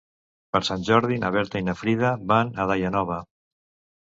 Per Sant Jordi na Berta i na Frida van a Daia Nova.